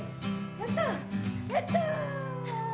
やったやった。